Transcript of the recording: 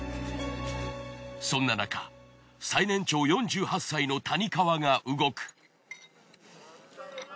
そんななか最年長４８歳の谷川が動く。